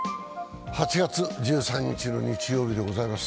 ８月１３日の日曜日でございます。